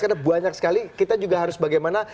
karena banyak sekali kita juga harus bagaimana